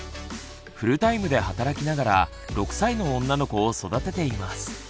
フルタイムで働きながら６歳の女の子を育てています。